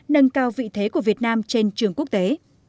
nâng cao vị thế của việt nam trên trường quốc tế